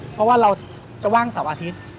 เพราะว่าเราจะว่างเสาร์อาทิตย์